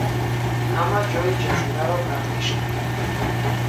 Ҳама ҷойи ҷазираро гардиш кард.